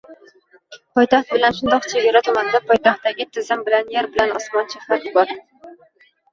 Poytaxt bilan shundoq chegara tumanda poytaxtdagi tizim bilan yer bilan osmoncha farq bor.